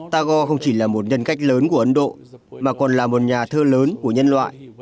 tagore không chỉ là một nhân cách lớn của ấn độ mà còn là một nhà thơ lớn của nhân loại